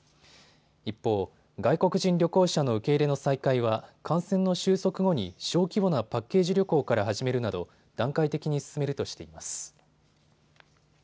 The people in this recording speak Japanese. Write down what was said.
一方、外国人旅行者の受け入れの再開は感染の収束後に小規模なパッケージ旅行から始めるなど段階的に進めるとしています。